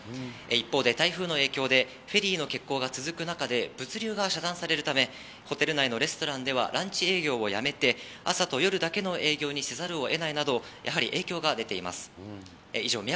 一方で台風の影響で、フェリーの欠航が続く中で、物流が遮断されるため、ホテル内のレストランではランチ営業をやめて、朝と夜だけの営業にせざるをえないなど、やはり影響が出ています。